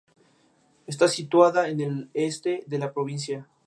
Todos sus bienes fueron confiscados.